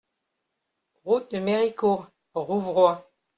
Route de Méricourt, Rouvroy